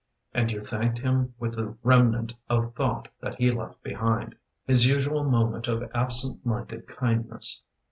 And you thanked him with the remnant Of thought that he left behind — His usual moment of absentminded kindness.